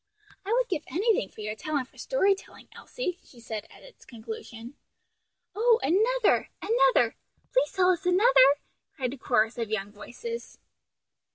"I would give anything for your talent for story telling, Elsie," she said at its conclusion. "Oh, another! another! Please tell us another?" cried a chorus of young voices.